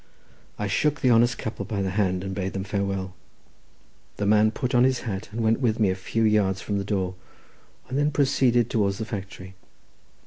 I shook the honest couple by the hand, and bade them farewell. The man put on his hat, and went with me a few yards from the door, and then proceeded towards the factory.